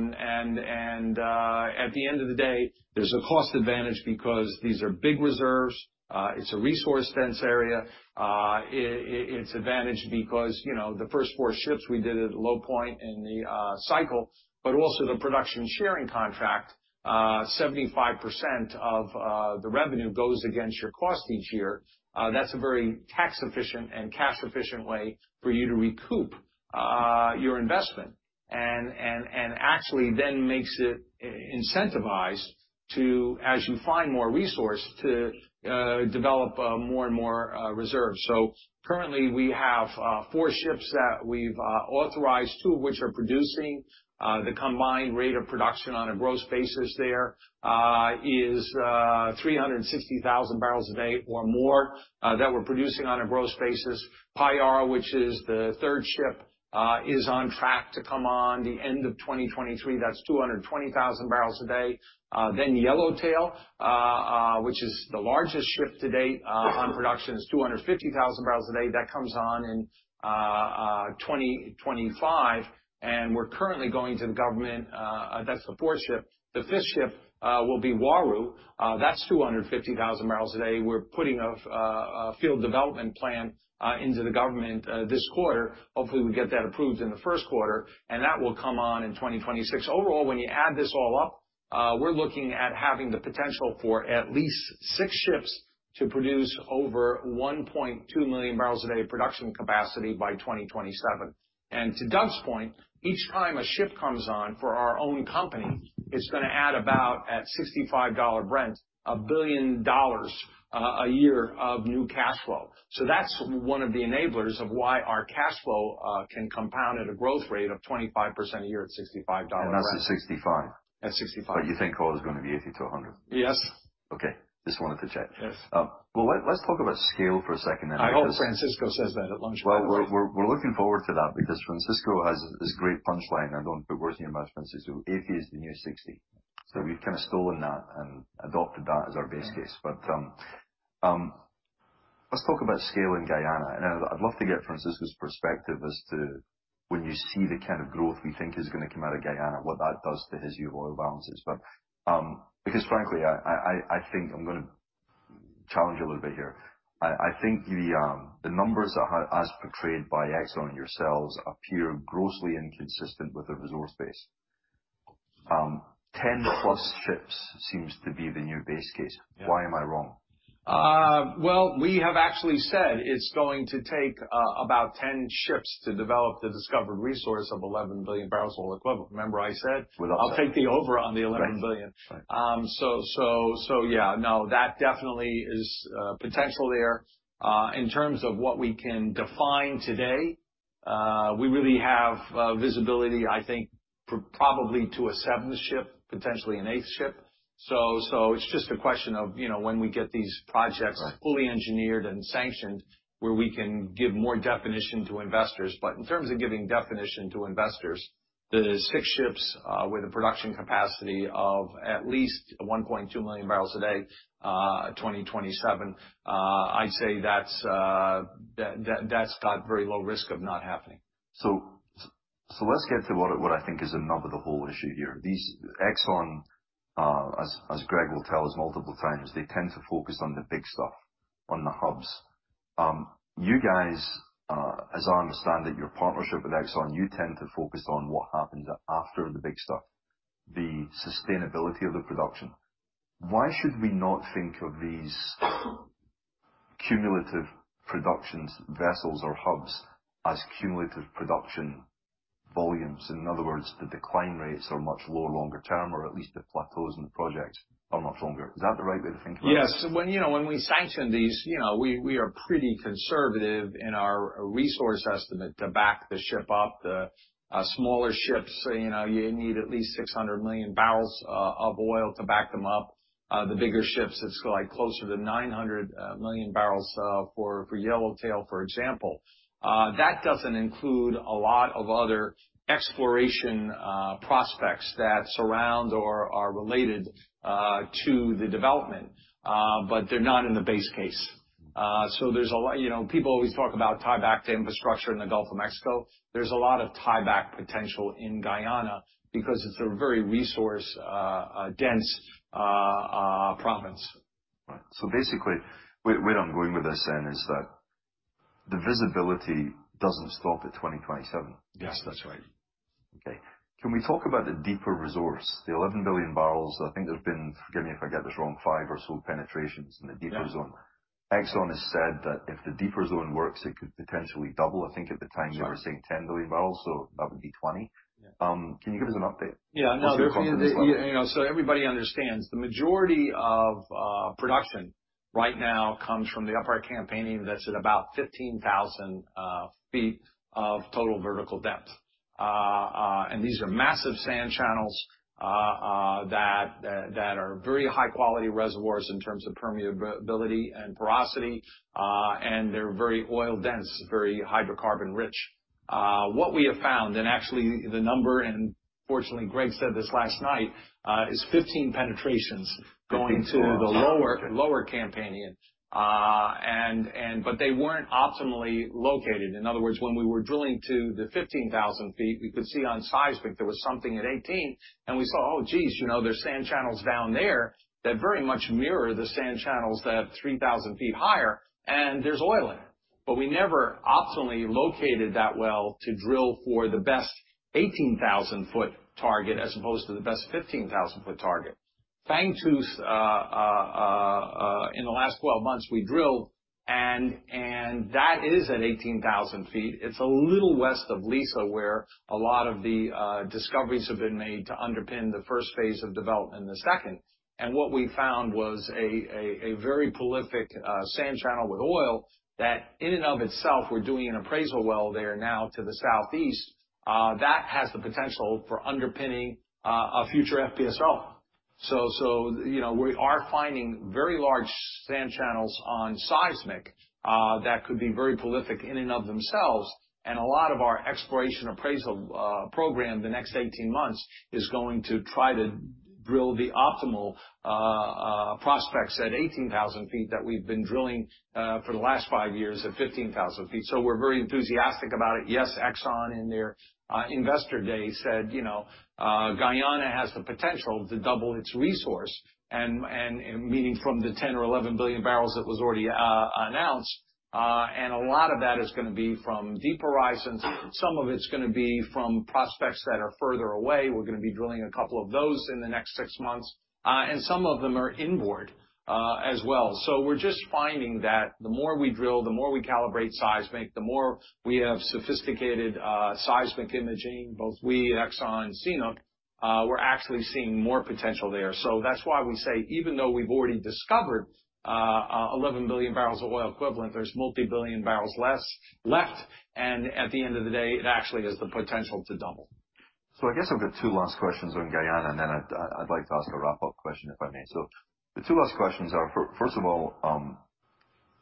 the end of the day, there's a cost advantage because these are big reserves. It's a resource dense area. It's advantage because, you know, the first four ships we did at a low point in the cycle, but also the production sharing contract, 75% of the revenue goes against your cost each year. That's a very tax efficient and cash efficient way for you to recoup your investment. Actually then makes it incentivized to, as you find more resource, to develop more and more reserves. Currently we have four ships that we've authorized, two of which are producing. The combined rate of production on a gross basis there is 360,000 barrels a day or more that we're producing on a gross basis. Payara, which is the third ship, is on track to come on the end of 2023. That's 220,000 barrels a day. Yellowtail, which is the largest ship to date on production, is 250,000 barrels a day. That comes on in 2025, and we're currently going to the government. That's the fourth ship. The fifth ship will be Uaru. That's 250,000 barrels a day. We're putting a field development plan into the government this quarter. Hopefully, we get that approved in the first quarter, and that will come on in 2026. Overall, when you add this all up, we're looking at having the potential for at least six ships to produce over 1.2 million barrels a day production capacity by 2027. To Doug's point, each time a ship comes on for our own company, it's gonna add about at $65 Brent, $1 billion a year of new cash flow. That's one of the enablers of why our cash flow can compound at a growth rate of 25% a year at $65. That's at $65? At $65. You think oil is gonna be $80-$100? Yes. Okay. Just wanted to check. Yes. Well, let's talk about scale for a second then. I hope Francisco says that at lunch. Well, we're looking forward to that because Francisco has this great punch line. I don't put words in your mouth, Francisco. $80 is the new $60. We've kind of stolen that and adopted that as our base case. Let's talk about scale in Guyana. I'd love to get Francisco's perspective as to when you see the kind of growth we think is gonna come out of Guyana, what that does to his year oil balances. Because frankly, I think I'm gonna challenge you a little bit here. I think the numbers are as portrayed by Exxon, yourselves, appear grossly inconsistent with the resource base. 10+ ships seems to be the new base case. Yeah. Why am I wrong? Well, we have actually said it's going to take about 10 ships to develop the discovered resource of 11 billion barrels oil equivalent. With us. I'll take the over on the 11 billion. Right. Yeah, no, that definitely is potential there. In terms of what we can define today, we really have visibility, I think, probably to a seventh ship, potentially an eighth ship. It's just a question of, you know, when we get these projects. Right. Fully engineered and sanctioned where we can give more definition to investors. In terms of giving definition to investors, the six ships with a production capacity of at least 1.2 million barrels a day, 2027, I'd say that's got very low risk of not happening. Let's get to what I think is another whole issue here. Exxon, as Greg will tell us multiple times, they tend to focus on the big stuff, on the hubs. You guys, as I understand it, your partnership with Exxon, you tend to focus on what happens after the big stuff, the sustainability of the production. Why should we not think of these cumulative productions vessels or hubs as cumulative production volumes? In other words, the decline rates are much lower longer term, or at least the plateaus in the projects are much longer. Is that the right way to think about it? Yes. When, you know, we sanction these, you know, we are pretty conservative in our resource estimate to back the ship up. The smaller ships, you know, you need at least 600 million barrels of oil to back them up. The bigger ships, it's like closer to 900 million barrels for Yellowtail, for example. That doesn't include a lot of other exploration prospects that surround or are related to the development, but they're not in the base case. There's a lot, you know, people always talk about tieback to infrastructure in the Gulf of Mexico. There's a lot of tieback potential in Guyana because it's a very resource dense province. Right. Basically, where I'm going with this then is that the visibility doesn't stop at 2027. Yes, that's right. Okay. Can we talk about the deeper resource? The 11 billion barrels, I think there's been, forgive me if I get this wrong, five or so penetrations in the deeper zone. Yeah. Exxon has said that if the deeper zone works, it could potentially double. I think at the time they were saying 10 billion barrels, so that would be 20. Can you give us an update? Yeah, no. What's the confidence level? You know, everybody understands, the majority of production right now comes from the upper Campanian that's at about 15,000 ft of total vertical depth. These are massive sand channels that are very high-quality reservoirs in terms of permeability and porosity, and they're very oil dense, very hydrocarbon rich. What we have found, and actually the number, and fortunately Greg said this last night, is 15 penetrations going to the lower Campanian. They weren't optimally located. In other words, when we were drilling to the 15,000 ft, we could see on seismic there was something at 18, and we saw, oh, geez, you know, there's sand channels down there that very much mirror the sand channels that are 3,000 ft higher, and there's oil in it. We never optimally located that well to drill for the best 18,000 ft target as opposed to the best 15,000 ft target. Fangtooth, in the last 12 months, we drilled and that is at 18,000 ft. It's a little west of Liza, where a lot of the discoveries have been made to underpin the first phase of development and the second. What we found was a very prolific sand channel with oil that in and of itself, we're doing an appraisal well there now to the southeast that has the potential for underpinning a future FPSO. You know, we are finding very large sand channels on seismic that could be very prolific in and of themselves. A lot of our exploration appraisal program the next 18 months is going to try to drill the optimal prospects at 18,000 ft that we've been drilling for the last five years at 15,000 ft. We're very enthusiastic about it. Yes, Exxon in their Investor Day said, you know, Guyana has the potential to double its resource, meaning from the 10 or 11 billion barrels that was already announced. A lot of that is gonna be from deeper horizons. Some of it's gonna be from prospects that are further away. We're gonna be drilling a couple of those in the next six months. Some of them are inboard as well. We're just finding that the more we drill, the more we calibrate seismic, the more we have sophisticated seismic imaging, both we and Exxon, CNOOC, we're actually seeing more potential there. That's why we say even though we've already discovered 11 billion barrels of oil equivalent, there's multi-billion barrels less left, and at the end of the day, it actually has the potential to double. I guess I've got two last questions on Guyana, and then I'd like to ask a wrap-up question, if I may. The two last questions are, first of all,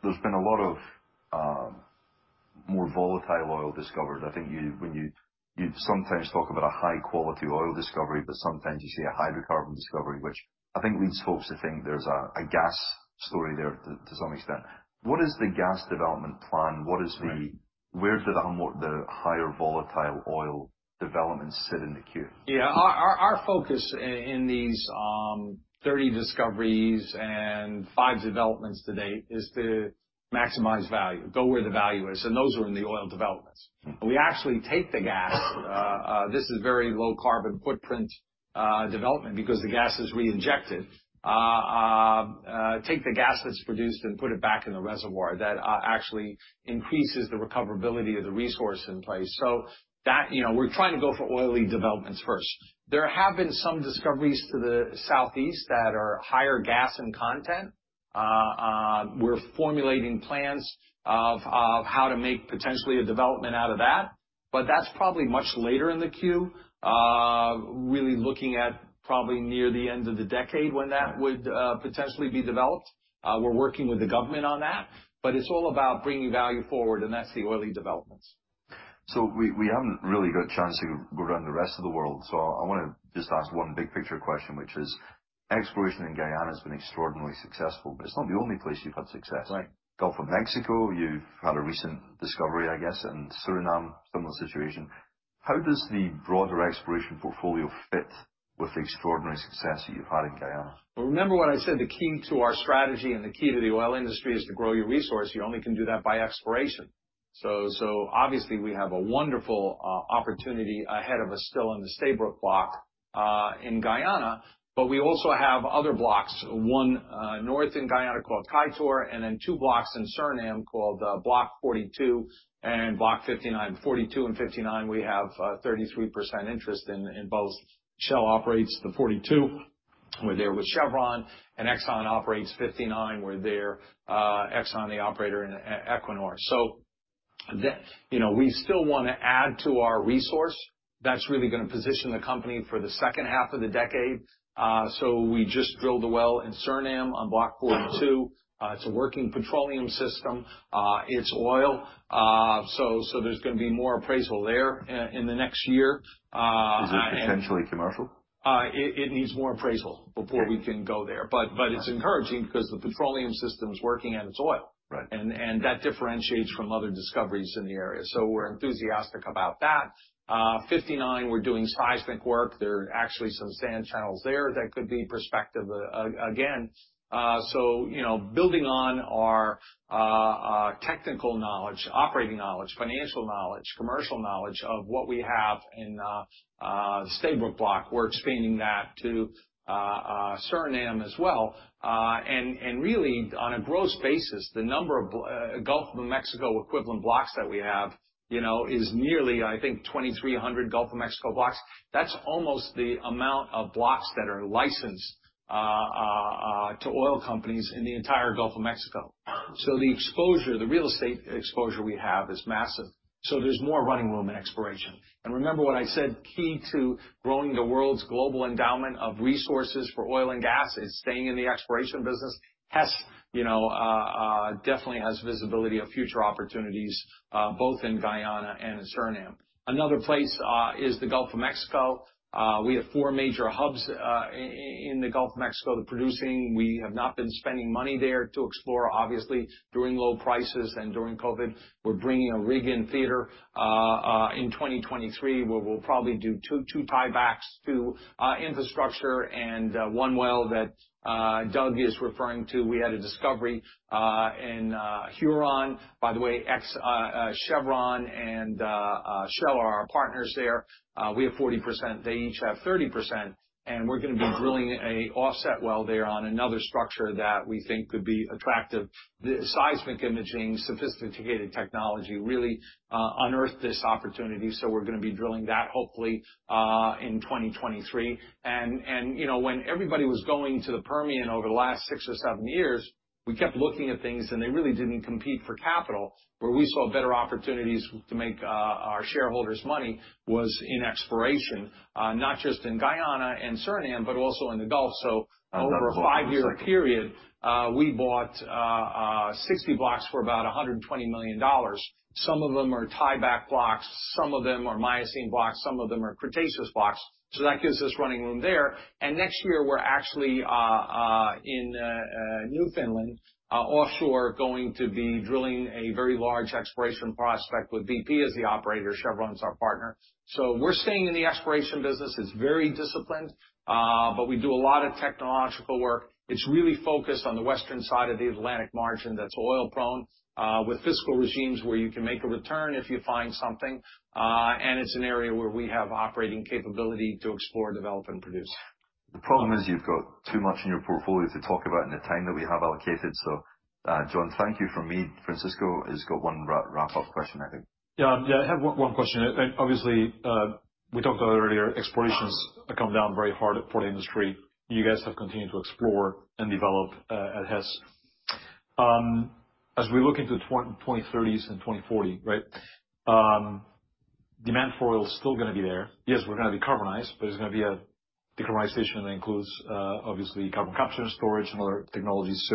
there's been a lot of more volatile oil discovered. I think you sometimes talk about a high-quality oil discovery, but sometimes you say a hydrocarbon discovery, which I think leads folks to think there's a gas story there to some extent. What is the gas development plan? Right. Where do the higher volatile oil developments sit in the queue? Yeah. Our focus in these 30 discoveries and five developments to date is to maximize value, go where the value is, and those are in the oil developments. We actually take the gas. This is very low carbon footprint development because the gas is reinjected. Take the gas that's produced and put it back in the reservoir. That actually increases the recoverability of the resource in place. That, you know, we're trying to go for oily developments first. There have been some discoveries to the southeast that are higher gas in content. We're formulating plans of how to make potentially a development out of that, but that's probably much later in the queue. Really looking at probably near the end of the decade when that would potentially be developed. We're working with the government on that, but it's all about bringing value forward, and that's the oily developments. We haven't really got a chance to go around the rest of the world, so I wanna just ask one big picture question, which is exploration in Guyana has been extraordinarily successful, but it's not the only place you've had success. Right. Gulf of Mexico, you've had a recent discovery, I guess, in Suriname, similar situation. How does the broader exploration portfolio fit with the extraordinary success that you've had in Guyana? Well, remember what I said, the key to our strategy and the key to the oil industry is to grow your resource. You only can do that by exploration. Obviously we have a wonderful opportunity ahead of us still in the Stabroek Block in Guyana, but we also have other blocks, one north in Guyana called Kaieteur, and then two blocks in Suriname called Block 42 and Block 59. 42 and 59, we have 33% interest in both. Shell operates the 42. We're there with Chevron. Exxon operates 59. We're there, Exxon, the operator, and Equinor. You know, we still wanna add to our resource. That's really gonna position the company for the second half of the decade. We just drilled the well in Suriname on Block 42. It's a working petroleum system. It's oil. There's gonna be more appraisal there in the next year. Is it potentially commercial? It needs more appraisal before we can go there. Okay. It's encouraging because the petroleum system's working and it's oil. Right. That differentiates from other discoveries in the area, so we're enthusiastic about that. 59, we're doing seismic work. There are actually some sand channels there that could be prospective again. You know, building on our technical knowledge, operating knowledge, financial knowledge, commercial knowledge of what we have in the Stabroek Block, we're expanding that to Suriname as well. Really on a gross basis, the number of Gulf of Mexico equivalent blocks that we have, you know, is nearly, I think, 2,300 Gulf of Mexico blocks. That's almost the amount of blocks that are licensed to oil companies in the entire Gulf of Mexico. The exposure, the real estate exposure we have is massive, so there's more running room and exploration. Remember what I said, key to growing the world's global endowment of resources for oil and gas is staying in the exploration business. Hess, you know, definitely has visibility of future opportunities both in Guyana and in Suriname. Another place is the Gulf of Mexico. We have four major hubs in the Gulf of Mexico producing. We have not been spending money there to explore, obviously, during low prices and during COVID. We're bringing a rig in theater in 2023, where we'll probably do two tiebacks to infrastructure and one well that Doug is referring to. We had a discovery in Huron. By the way, Chevron and Shell are our partners there. We have 40%. They each have 30%. We're gonna be drilling a offset well there on another structure that we think could be attractive. The seismic imaging, sophisticated technology really unearthed this opportunity, so we're gonna be drilling that hopefully in 2023. You know, when everybody was going to the Permian over the last six or seven years, we kept looking at things, and they really didn't compete for capital. Where we saw better opportunities to make our shareholders money was in exploration, not just in Guyana and Suriname, but also in the Gulf. I've got a follow-up in a second. Over a five-year period, we bought 60 blocks for about $120 million. Some of them are tieback blocks, some of them are Miocene blocks, some of them are Cretaceous blocks, so that gives us running room there. Next year, we're actually in Newfoundland offshore going to be drilling a very large exploration prospect with BP as the operator. Chevron's our partner. We're staying in the exploration business. It's very disciplined, but we do a lot of technological work. It's really focused on the western side of the Atlantic margin that's oil-prone, with fiscal regimes where you can make a return if you find something, and it's an area where we have operating capability to explore, develop, and produce. The problem is you've got too much in your portfolio to talk about in the time that we have allocated. John, thank you from me. Francisco has got one wrap-up question, I think. Yeah, I have one question. Obviously, we talked about it earlier, exploration's come down very hard for the industry. You guys have continued to explore and develop at Hess. As we look into 2030s and 2040, right? Demand for oil is still gonna be there. Yes, we're gonna decarbonize, but there's gonna be a decarbonization that includes, obviously, carbon capture and storage and other technologies.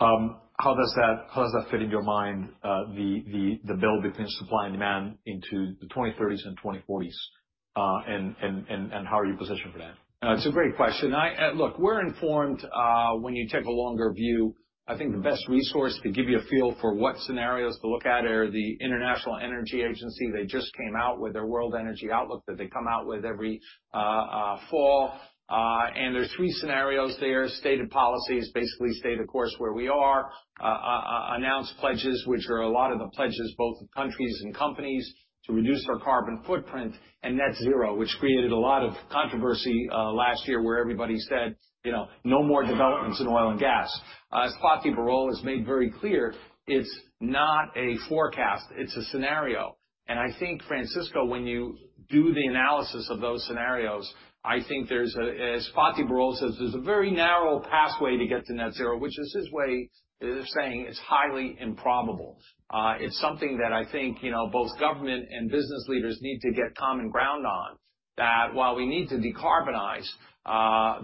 How does that fit in your mind, the build between supply and demand into the 2030s and 2040s, and how are you positioned for that? It's a great question. Look, we're informed, when you take a longer view, I think the best resource to give you a feel for what scenarios to look at are the International Energy Agency. They just came out with their World Energy Outlook that they come out with every fall. There's three scenarios there. Stated Policies, basically stay the course where we are. Announced Pledges, which are a lot of the pledges, both of countries and companies, to reduce their carbon footprint. Net Zero, which created a lot of controversy last year where everybody said, you know, no more developments in oil and gas. As Fatih Birol has made very clear, it's not a forecast, it's a scenario. I think, Francisco, when you do the analysis of those scenarios, I think, as Fatih Birol says, there's a very narrow pathway to get to net zero, which is his way of saying it's highly improbable. It's something that I think, you know, both government and business leaders need to get common ground on, that while we need to decarbonize,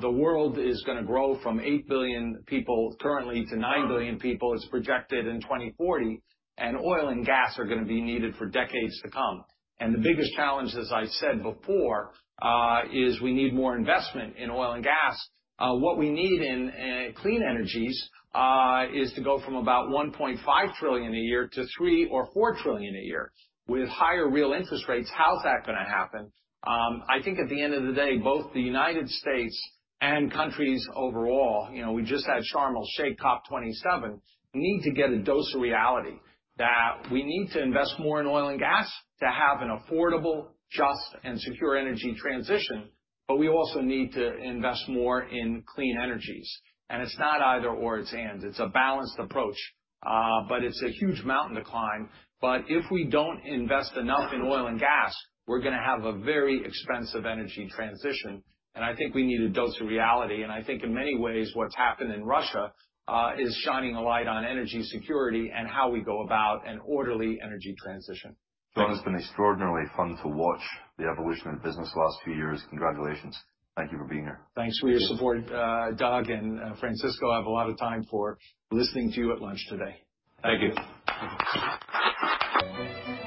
the world is gonna grow from 8 billion people currently to 9 billion people, it's projected, in 2040. Oil and gas are gonna be needed for decades to come. The biggest challenge, as I said before, is we need more investment in oil and gas. What we need in clean energies is to go from about $1.5 trillion a year to $3 trillion-$4 trillion a year. With higher real interest rates, how's that gonna happen? I think at the end of the day, both the United States and countries overall, you know, we just had Sharm el-Sheikh COP27, need to get a dose of reality that we need to invest more in oil and gas to have an affordable, just, and secure energy transition, but we also need to invest more in clean energies. It's not either/or, it's and. It's a balanced approach, but it's a huge mountain to climb. If we don't invest enough in oil and gas, we're gonna have a very expensive energy transition, and I think we need a dose of reality. I think in many ways, what's happened in Russia is shining a light on energy security and how we go about an orderly energy transition. John, it's been extraordinarily fun to watch the evolution of the business the last few years. Congratulations. Thank you for being here. Thanks for your support. Doug and Francisco, I have a lot of time for listening to you at lunch today. Thank you.